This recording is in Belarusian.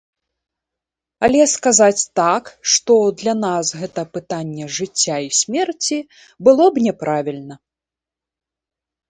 Але сказаць так, што для нас гэта пытанне жыцця і смерці, было б няправільна.